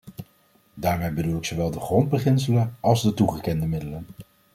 Daarmee bedoel ik zowel de grondbeginselen als de toegekende middelen.